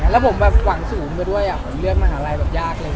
แล้วผมแบบหวังสูงไปด้วยผมเลือกมหาลัยแบบยากเลย